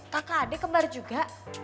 kakak adik kembar juga